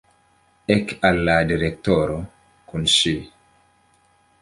Ek al la direktoro kun ŝi!